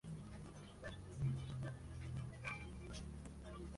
Esa era una de las cuestiones que se planteaban los pensadores ilustrados.